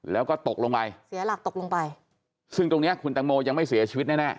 แล้วก็ตกลงไปเสียหลักตกลงไปซึ่งตรงเนี้ยคุณตังโมยังไม่เสียชีวิตแน่แน่